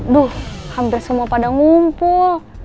duh hampir semua pada ngumpul